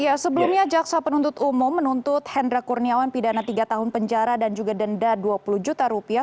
ya sebelumnya jaksa penuntut umum menuntut hendra kurniawan pidana tiga tahun penjara dan juga denda dua puluh juta rupiah